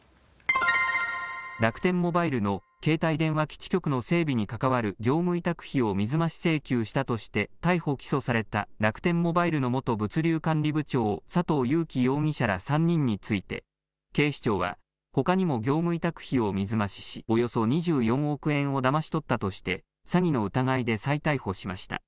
楽天モバイルの携帯電話基地局の整備に関わる業務委託費を水増し請求したとして逮捕・起訴された楽天モバイルの元物流管理部長、佐藤友紀容疑者ら３人について警視庁はほかにも業務委託費を水増ししおよそ２４億円をだまし取ったとして詐欺の疑いで再逮捕しました。